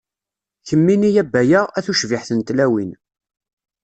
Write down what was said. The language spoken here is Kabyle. Kemmini a Baya, a tucbiḥt n tlawin.